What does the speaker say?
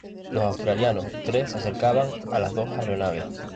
Los australianos tres se acercaban a las dos aeronaves.